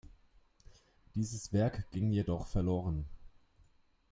Dieses Werk ging jedoch verloren.